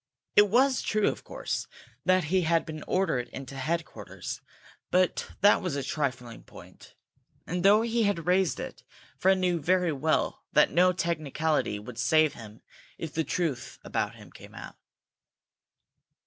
It was true, of course, that he had been ordered into headquarters, but that was a trifling point, and, though he had raised it, Fred knew very well that no technicality would save him if the truth about him came out.